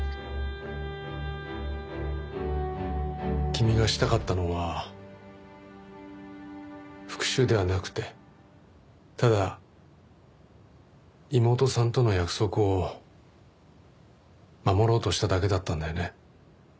君がしたかったのは復讐ではなくてただ妹さんとの約束を守ろうとしただけだったんだよね。